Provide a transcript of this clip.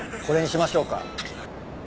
これにしましょうか。